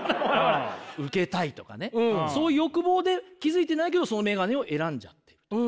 ウケたいとかねそういう欲望で気付いてないけどそのメガネを選んじゃってる。